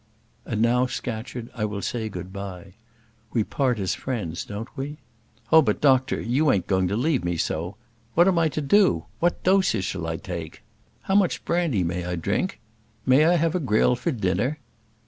"And now, Scatcherd, I will say good bye. We part as friends, don't we?" "Oh, but doctor, you ain't going to leave me so. What am I to do? What doses shall I take? How much brandy may I drink? May I have a grill for dinner?